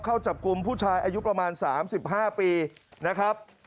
เข้าจับกลุ่มผู้ชายอายุประมาณ๓๕ปีนะครับ